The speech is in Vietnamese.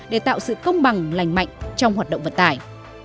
để tạo sự công bằng lành mạnh trong hoạt động vận tải